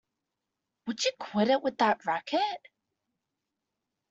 Would you quit it with that racket!